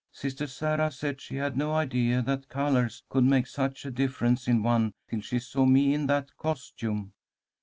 Sister Sarah said she had no idea that colours could make such a difference in one till she saw me in that costume.